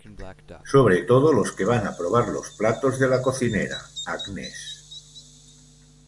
Sobre todo los que van a probar los platos de la cocinera, Agnes.